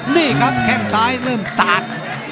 นี่ครับแข้งซ้ายเริ่มสาด